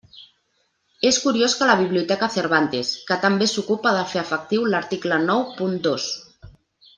És curiós que la Biblioteca Cervantes, que tan bé s'ocupa de fer efectiu l'article nou punt dos.